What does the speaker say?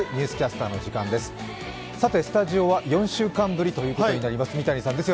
スタジオは４週間ぶりということになります、三谷さんです。